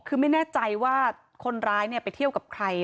คือไม่แน่ใจว่าคนร้ายไปเที่ยวกับใคร